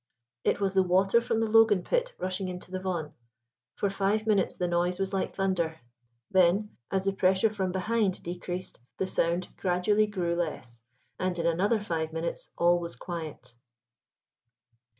It was the water from the Logan pit rushing into the Vaughan. For five minutes the noise was like thunder; then, as the pressure from behind decreased, the sound gradually grew less, until, in another five minutes, all was quiet.